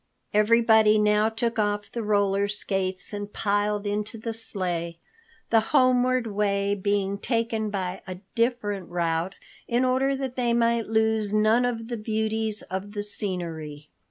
Everybody now took off the roller skates and piled into the sleigh, the homeward way being taken by a different route in order that they might lose none of the beauties of the scenery.